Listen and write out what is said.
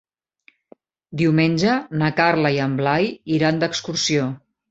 Diumenge na Carla i en Blai iran d'excursió.